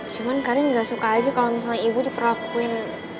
cuman karin gak suka aja kalau misalnya ibu diperlakuin